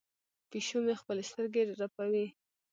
پیشو مې خپلې سترګې رپوي.